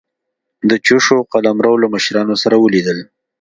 د چوشو قلمرو له مشرانو سره ولیدل.